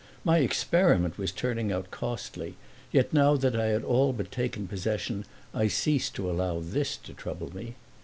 My experiment was turning out costly, yet now that I had all but taken possession I ceased to allow this to trouble me.